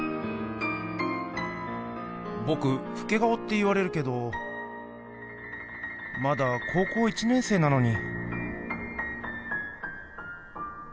ぼくふけ顔って言われるけどまだ高校１年生なのに。